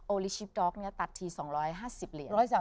ลิชิปดอกตัดที๒๕๐เหรียญ